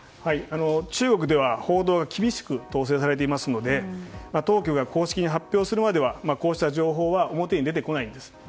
中国では報道は厳しく統制されていますので当局が公式に発表するまではこうした情報は表に出てこないんです。